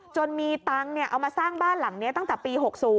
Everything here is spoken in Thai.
จนมีตังค์เอามาสร้างบ้านหลังนี้ตั้งแต่ปี๖๐